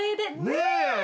ねえ。